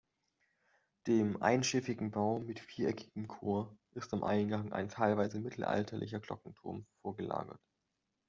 Dem einschiffigen Bau mit viereckigem Chor ist am Eingang ein teilweise mittelalterlicher Glockenturm vorgelagert.